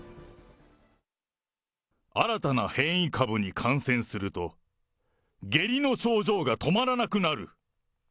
新たな変異株に感染すると、下痢の症状が止まらなくなる。